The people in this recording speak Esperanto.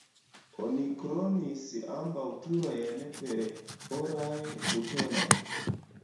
Oni kronis ambaŭ turojn per oraj butonoj.